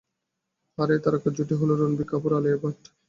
আর এই তারকা জুটি হলো রণবীর কাপুর ও আলিয়া ভাট।